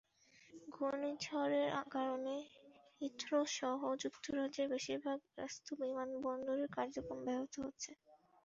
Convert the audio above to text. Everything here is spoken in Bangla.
ঘূর্ণিঝড়ের কারণে হিথ্রোসহ যুক্তরাজ্যের বেশির ভাগ ব্যস্ত বিমানবন্দরের কার্যক্রম ব্যাহত হচ্ছে।